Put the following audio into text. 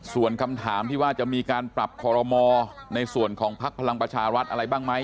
ส่วนคำถามที่ว่าจะมีการปรับคอรมอในส่วนของภักดิ์พลังประชารัฐอะไรบ้างไหม